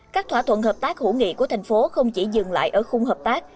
các thỏa thuận hợp tác hữu nghị của thành phố không chỉ dừng lại ở khung hợp tác